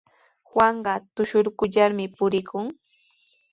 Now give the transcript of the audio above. Juanqa tushukurllami purikun.